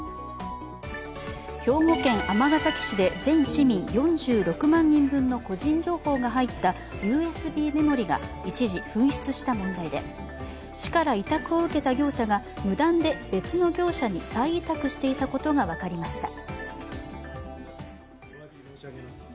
兵庫県尼崎市で全市民４６万人分の個人情報が入ったＵＳＢメモリーが一時、紛失した問題で、市から委託を受けた業者が無断で別の業者に再委託していたことが分かりました。